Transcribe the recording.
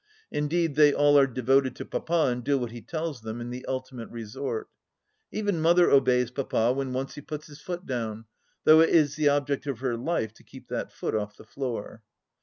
Indeed, they all are devoted to Papa, and do what he tells them, in the ultimate resort. Even Mother obeys Papa when once he puts his foot down, though it is the object of her life to keep that foot off the floor.